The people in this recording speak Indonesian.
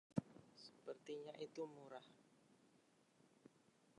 Sepertinya itu murah.